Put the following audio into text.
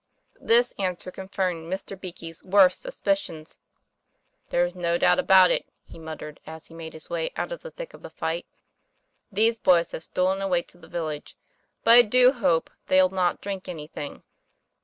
This answer confirmed Mr. Beakey's worst sus picions. 'There's no doubt about it," he muttered, as he made his way out of the thick of the fight. " These boys have stolen away to the village. But I do hope they'll not drink anything."